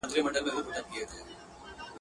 له مبارک سره یوازي مجلسونه ښيي ..